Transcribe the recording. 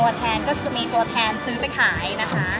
ตัวแทนก็คือมีตัวแทนซื้อไปขายนะคะ